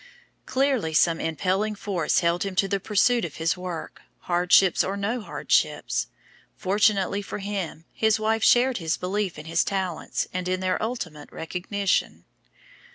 Clearly some impelling force held him to the pursuit of this work, hardships or no hardships. Fortunately for him, his wife shared his belief in his talents and in their ultimate recognition.